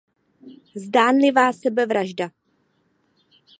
Zdánlivá sebevražda.